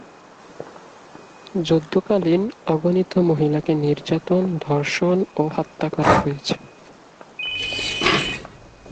যুদ্ধকালীন অগণিত মহিলাকে নির্যাতন, ধর্ষণ ও হত্যা করা হয়েছে।